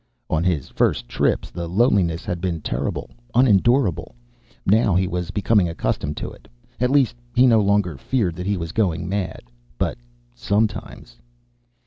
On his first trips, the loneliness had been terrible, unendurable. Now he was becoming accustomed to it. At least, he no longer feared that he was going mad. But sometimes....